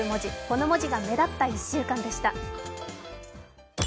この文字が目立った１週間でした。